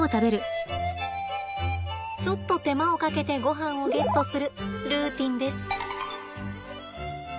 ちょっと手間をかけてごはんをゲットするルーティンです。